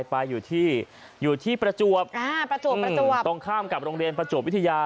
ไปอยู่ที่ประจวบตรงข้ามกับโรงเรียนประจวบวิทยา